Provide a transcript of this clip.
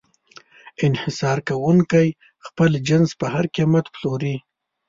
انحصار کوونکی خپل جنس په هر قیمت پلوري.